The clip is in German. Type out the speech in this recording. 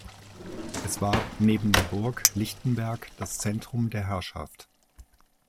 Es war neben der Burg Lichtenberg das Zentrum der Herrschaft.